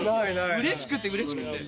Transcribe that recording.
うれしくてうれしくて。